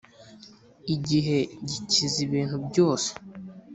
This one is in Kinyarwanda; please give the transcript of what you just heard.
igihe gikiza ibintu byose.